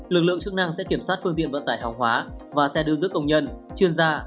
lực lượng chức năng sẽ kiểm soát phương tiện vận tải hàng hóa và xe đưa dước công nhân chuyên gia